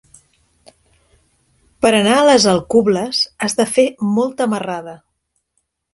Per anar a les Alcubles has de fer molta marrada.